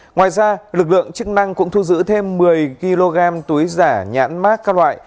ngoài ra lực lượng chức năng cũng thu giữ thêm một mươi kg túi giả nhãn mát các loại